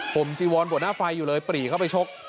ผมจีวอนหัวหน้าไฟอยู่เลยปรีเข้าไปชก